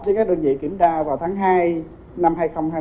với các đơn vị kiểm tra vào tháng hai năm hai nghìn hai mươi